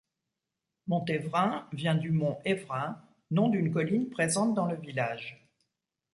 Montévrain vient du Mont Evrins, nom d'une colline présente dans le village.